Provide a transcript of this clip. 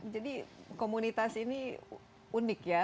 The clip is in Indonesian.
jadi komunitas ini unik ya